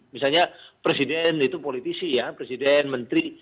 misalnya presiden itu politisi ya presiden menteri